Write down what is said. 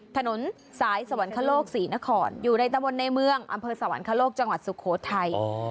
ถนนสายสวรรคโลกศรีนครอยู่ในตะวนในเมืองอำเภอสวรรคโลกจังหวัดสุโขทัย